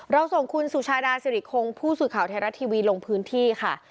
ส่งคุณสุชาดาสิริคงผู้สื่อข่าวไทยรัฐทีวีลงพื้นที่ค่ะ